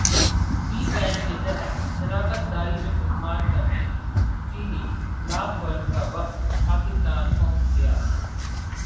سی pack کے تحت شراکت داری میں خدمات فراہم کرنے چینی لا فرم کا وفد پاکستان پہنچ گیا